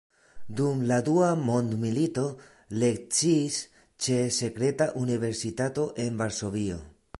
Dum la dua mondmilito lekciis ĉe sekreta universitato en Varsovio.